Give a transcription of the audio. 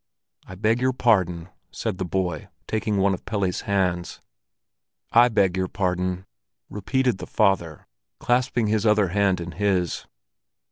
"I beg your pardon," said the boy, taking one of Pelle's hands; "I beg your pardon," repeated the father, clasping his other hand in his.